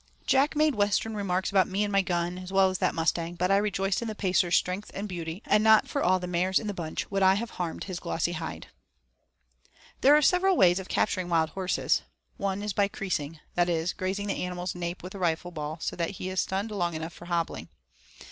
Jack made Western remarks about me and my gun, as well as that mustang, but I rejoiced in the Pacer's strength and beauty, and not for all the mares in the bunch would I have harmed his glossy hide. III There are several ways of capturing wild horses. One is by creasing that is, grazing the animal's nape with a rifle ball so that he is stunned long enough for hobbling.